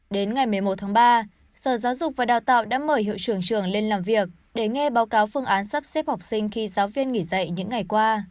đến ngày một mươi một tháng ba sở giáo dục và đào tạo đã mời hiệu trưởng trường lên làm việc để nghe báo cáo phương án sắp xếp học sinh khi giáo viên nghỉ dạy những ngày qua